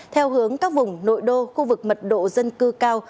theo hướng các vùng nội đô khu vực mật độ dân cư cao